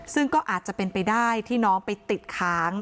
ซึ่งก็อาจจะเป็นไปได้ที่น้องไปติดค้าง